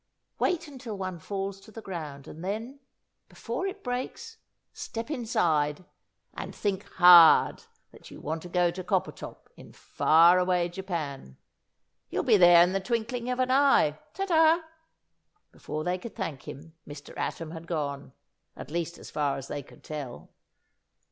Wait until one falls to the ground, and then before it breaks step inside, and think hard that you want to go to Coppertop in far away Japan. You'll be there in the twinkling of an eye. Ta ta!" Before they could thank him, Mr. Atom had gone, at least as far as they could tell.